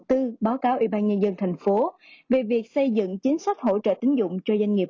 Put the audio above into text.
tư báo cáo ủy ban nhân dân thành phố về việc xây dựng chính sách hỗ trợ tính dụng cho doanh nghiệp